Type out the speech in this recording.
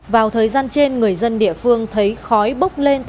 vào thời gian trên người dân địa phương thấy khói bốc lên